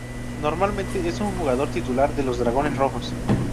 Normalmente es un jugador titular de los dragones rojos.